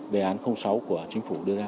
đề án sáu của chính phủ đưa ra